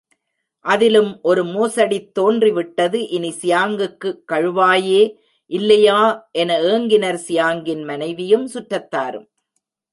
அதிலும் ஒரு மோசடித் தோன்றிவிட்டது, இனி சியாங்குக்கு கழுவாயே இல்லையா என ஏங்கினர் சியாங்கின் மனைவியும் சுற்றத்தாரும்.